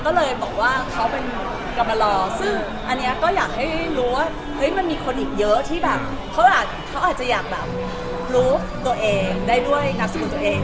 ก็เลยบอกว่าเขาเป็นกรรมลอซึ่งอันนี้ก็อยากให้รู้ว่ามันมีคนอีกเยอะที่แบบเขาอาจจะอยากแบบรู้ตัวเองได้ด้วยนามสกุลตัวเอง